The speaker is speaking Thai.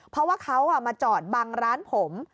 เพราะว่าเขามาจอดบังร้านผม